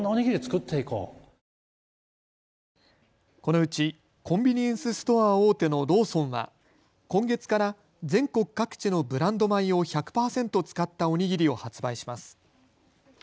このうちコンビニエンスストア大手のローソンは、今月から全国各地のブランド米を１００％使ったお握りを発売します。